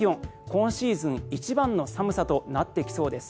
今シーズン一番の寒さとなってきそうです。